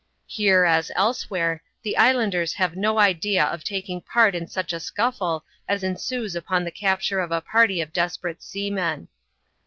Here, as elsewhere, the islanders have no idea of taidng part in such a scuffle as ensues upon the capture of a party of desperate seamen.